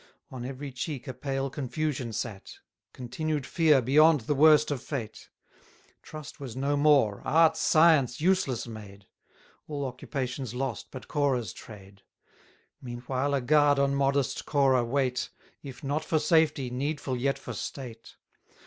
On every cheek a pale confusion sate, Continued fear beyond the worst of fate! Trust was no more; art, science useless made; All occupations lost but Corah's trade. Meanwhile a guard on modest Corah wait, If not for safety, needful yet for state.